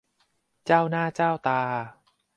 เจ้าหน้าเจ้าตา